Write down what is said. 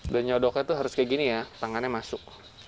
dan nyodoknya tuh harus kayak gini ya tangannya masuk